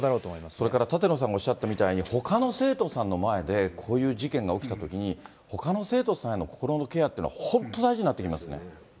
それから舘野さんがおっしゃったみたいに、ほかの生徒さんの前で、こういう事件が起きたときに、ほかの生徒さんへの心のケアっていうのは本当に大事になってきますね。